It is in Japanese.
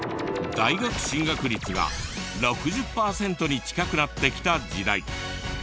大学進学率が６０パーセントに近くなってきた時代。